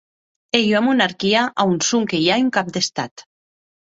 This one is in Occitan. Ua ei era monarquia, a on sonque i a un cap d'Estat.